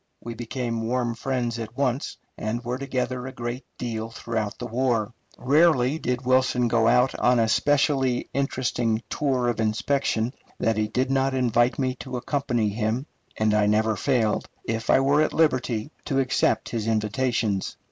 We became warm friends at once, and were together a great deal throughout the war. Rarely did Wilson go out on a specially interesting tour of inspection that he did not invite me to accompany him, and I never failed, if I were at liberty, to accept his invitations.